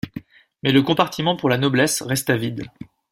Mais le compartiment pour la noblesse resta vide.